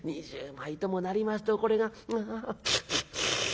２０枚ともなりますとこれが」。